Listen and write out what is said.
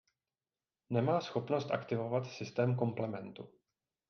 Nemá schopnost aktivovat systém komplementu.